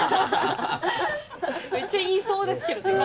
めっちゃ言いそうですけれどもね。